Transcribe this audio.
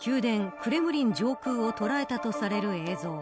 クレムリン上空を捉えたとされる映像。